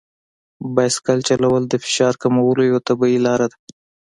بایسکل چلول د فشار کمولو یوه طبیعي لار ده.